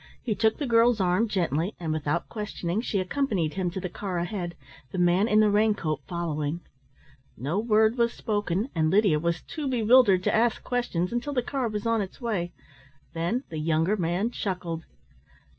He took the girl's arm gently, and without questioning she accompanied him to the car ahead, the man in the raincoat following. No word was spoken, and Lydia was too bewildered to ask questions until the car was on its way. Then the younger man chuckled.